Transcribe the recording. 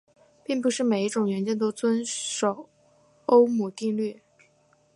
并不是每一种元件都遵守欧姆定律。